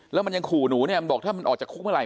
แล้วมันยังขู่หนูเนี่ยมันบอกถ้ามันออกจากคุกเมื่อไห